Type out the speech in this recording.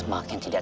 he paka bunyup